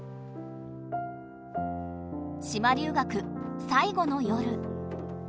島留学最後の夜。